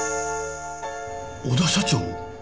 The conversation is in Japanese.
小田社長を！？